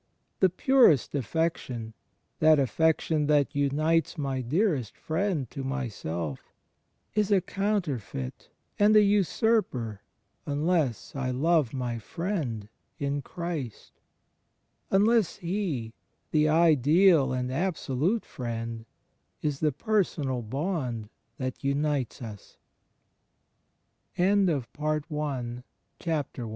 The purest affection — that affection that unites my dearest friend to myself — is a counterfeit and an usurper unless I love my friend in Christ — unless He, the Ideal and Absolute Friend, is the personal bond that